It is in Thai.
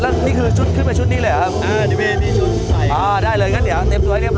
แล้วนี่คือชุดขึ้นไปชุดนี้เลยเหรอครับอ่าได้เลยงั้นเดี๋ยวเต็มร้อยเรียบร